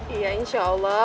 iya insya allah